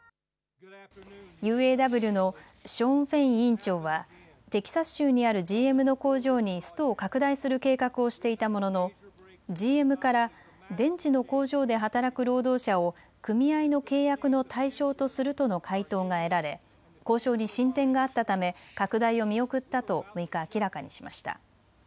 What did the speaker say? ＵＡＷのショーン・フェイン委員長はテキサス州にあるＧＭの工場にストを拡大する計画をしていたもののＧＭから電池の工場で働く労働者を組合の契約の対象とするとの回答が得られ交渉に進展があったため拡大を見送ったと６日、明らかにしました。